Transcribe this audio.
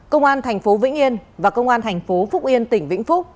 công an tp hcm và công an tp hcm tp hcm